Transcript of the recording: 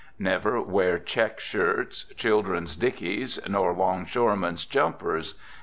Never wear check shirts, children's dickies, nor 'longshoremen's jumpers.